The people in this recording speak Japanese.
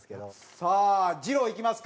さあじろういきますか？